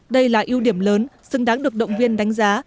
đây là ưu điểm lớn xứng đáng được động viên đánh giá